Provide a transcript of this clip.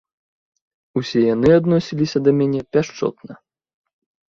Усе яны адносіліся да мяне пяшчотна.